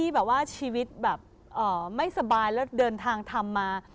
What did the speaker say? แบบไม่สบายแล้วเดินทางธรรมมา